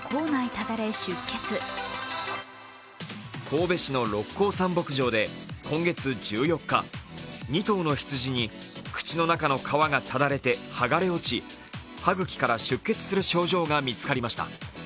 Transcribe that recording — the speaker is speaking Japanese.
神戸市の六甲山牧場で今月１４日、２頭の羊に、口の中の皮がただれて剥がれ落ち、歯茎から出血する症状が見つかりました。